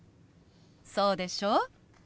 そうでしょ？